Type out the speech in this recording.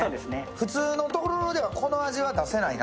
普通のとろろでは、この味は出せないな。